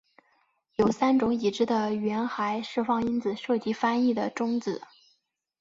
有三种已知的原核释放因子涉及翻译的终止。